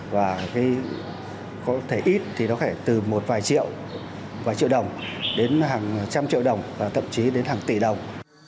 và có thể ít thì nó phải từ một vài triệu vài triệu đồng đến hàng trăm triệu đồng và thậm chí đến hàng tỷ đồng